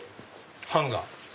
ハンガー。